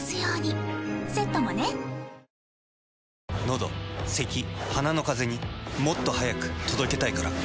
のどせき鼻のカゼにもっと速く届けたいから。